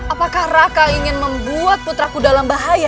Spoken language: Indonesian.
apakah raka ingin membuat putraku dalam bahaya